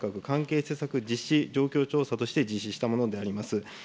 男女共同参画関係施策状況調査として実施したものであります。